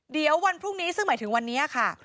เดี๋ยววันพรุ่งนี้ซึ่งหมายถึงวันนี้ค่ะ